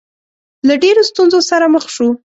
له ډېرو ستونزو سره مخ شو.